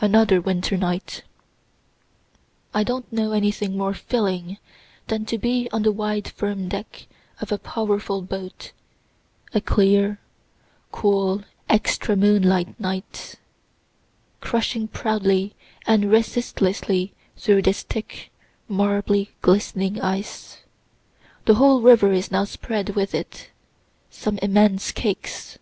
Another Winter Night. I don't know anything more filling than to be on the wide firm deck of a powerful boat, a clear, cool, extra moonlight night, crushing proudly and resistlessly through this thick, marbly, glistening ice. The whole river is now spread with it some immense cakes.